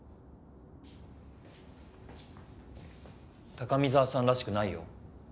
高見沢さんらしくないよ。